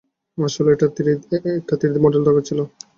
আসলে, একটা three D model দরকার ছিল।